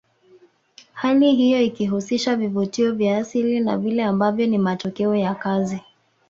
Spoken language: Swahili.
Hali hiyo ikihusisha vivutio vya asili na vile ambavyo ni matokeo ya kazi